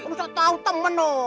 tuh saya tahu teman